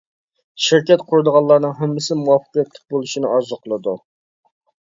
شىركەت قۇرىدىغانلارنىڭ ھەممىسى مۇۋەپپەقىيەتلىك بولۇشنى ئارزۇ قىلىدۇ.